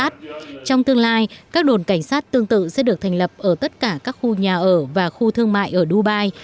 trong tương lai các đồn cảnh sát tương tự sẽ được thành lập ở tất cả các khu nhà ở và khu thương mại ở dubai